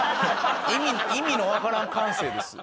意味のわからん感性です。